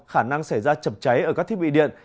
khả năng xảy ra chập cháy ở các thiết bị điện